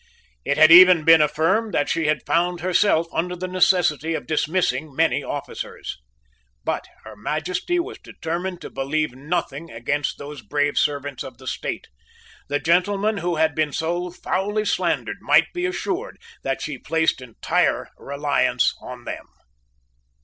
It had even been affirmed that she had found herself under the necessity of dismissing many officers. But Her Majesty was determined to believe nothing against those brave servants of the State. The gentlemen who had been so foully slandered might be assured that she placed entire reliance on them.